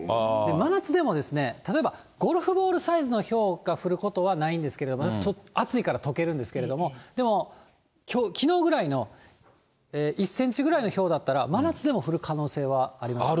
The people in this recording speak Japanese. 真夏でも、例えばゴルフボールサイズのひょうが降ることはないんですけれども、暑いからとけるんですけれども、でも、きのうぐらいの１センチぐらいのひょうだったら、真夏でも降る可能性はあります。